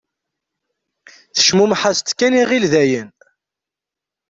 Tecmummeḥ-as-d kan iɣill dayen.